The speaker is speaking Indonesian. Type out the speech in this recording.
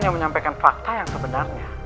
saya mau menyampaikan fakta yang sebenarnya